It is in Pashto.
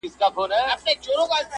و چاته چي ښوولی پېړۍ مخکي ما تکبیر دی،